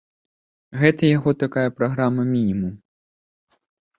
Гэта яго такая праграма-мінімум.